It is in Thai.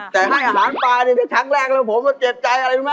แต่ให้อาหารปลาเนี่ยแหละชั้นแรกแล้วผมเจ็บใจอะไรนะ